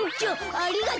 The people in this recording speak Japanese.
ありがとう。